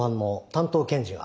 担当検事が？